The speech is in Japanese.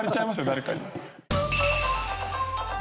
誰かに。